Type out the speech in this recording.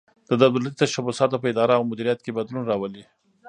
د دولتي تشبثاتو په اداره او مدیریت کې بدلون راولي.